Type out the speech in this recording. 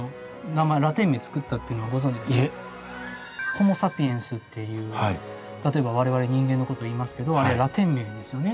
ホモ・サピエンスっていう例えば我々人間のこといいますけどあれラテン名ですよね。